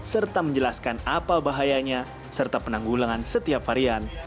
serta menjelaskan apa bahayanya serta penanggulangan setiap varian